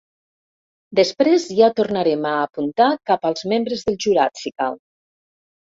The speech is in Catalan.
Després ja tornarem a apuntar cap als membres del jurat, si cal.